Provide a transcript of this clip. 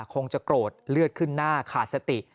คงจะโกรธเลือดขึ้นหน้าขาดสติ